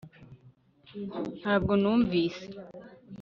ntabwo numvise